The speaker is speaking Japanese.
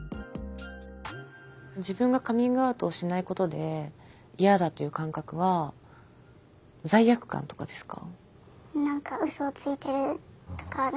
自分がカミングアウトをしないことで嫌だという感覚は罪悪感とかですか？